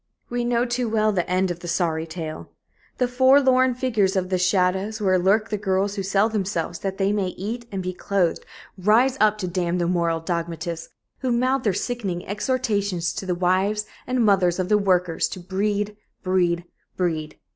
We know too well the end of the sorry tale. The forlorn figures of the shadows where lurk the girls who sell themselves that they may eat and be clothed rise up to damn the moral dogmatists, who mouth their sickening exhortations to the wives and mothers of the workers to breed, breed, breed.